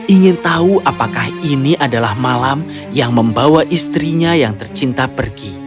ingin tahu apakah ini adalah malam yang membawa istrinya yang tercinta pergi